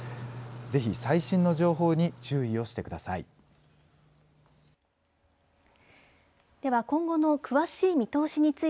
ぜひ最新の情報に注意をしてください。